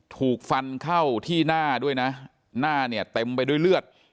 ถูกฟันเข้าที่หน้าด้วยนะหน้าเนี่ยเต็มไปด้วยเลือด